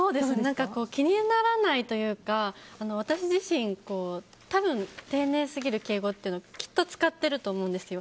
気にならないというか私自身多分、丁寧すぎる敬語ってきっと使ってると思うんですよ。